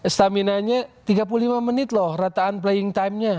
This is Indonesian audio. staminanya tiga puluh lima menit loh rataan playing timenya